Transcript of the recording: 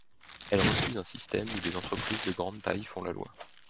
Elle refuse un système où des entreprises de grandes tailles font la loi.